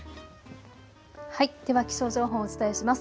では気象情報をお伝えします。